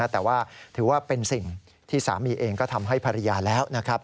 แต่ว่าถือว่าเป็นสิ่งที่สามีเองก็ทำให้ภรรยาแล้วนะครับ